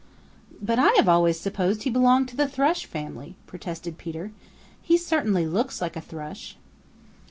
"But I have always supposed he belonged to the Thrush family," protested Peter. "He certainly looks like a Thrush."